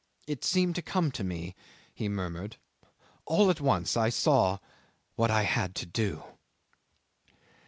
"It seemed to come to me," he murmured. "All at once I saw what I had to do